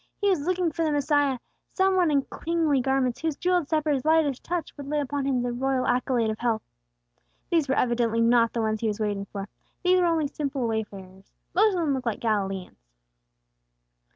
He was looking for the Messiah, some one in kingly garments, whose jewelled sceptre's lightest touch would lay upon him the royal accolade of health. These were evidently not the ones he was waiting for. These were only simple wayfarers; most of them looked like Galileans.